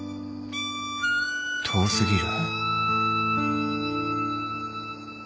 遠すぎる